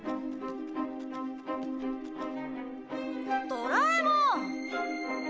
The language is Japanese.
ドラえもん！